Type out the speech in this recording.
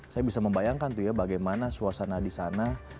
saya bisa membayangkan tuh ya bagaimana suasana di sana